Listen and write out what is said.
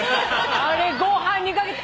あれご飯に掛けて。